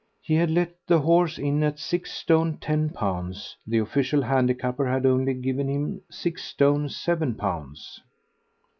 He had let the horse in at six stone ten pounds, the official handicapper had only given him six stone seven pounds.